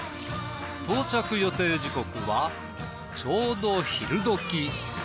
到着予定時刻はちょうど昼どき。